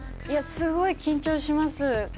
すごい緊張します。